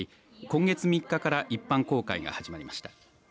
今月３日から一般公開が始まりました。